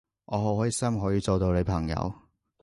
我好開心可以做到你朋友